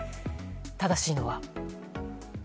正しいのは。